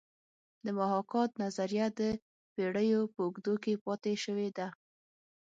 د محاکات نظریه د پیړیو په اوږدو کې پاتې شوې ده